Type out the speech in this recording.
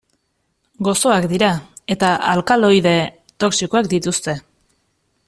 Gozoak dira, eta alkaloide toxikoak dituzte.